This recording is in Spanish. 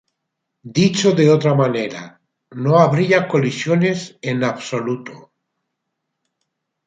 Dicho de otra manera, no habría colisiones en absoluto.